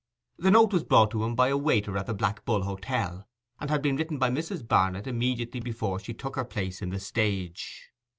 The note was brought to him by a waiter at the Black Bull Hotel, and had been written by Mrs. Barnet immediately before she took her place in the stage.